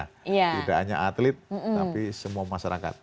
tidak hanya atlet tapi semua masyarakat